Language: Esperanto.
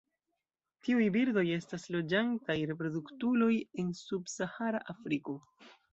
Tiuj birdoj estas loĝantaj reproduktuloj en subsahara Afriko.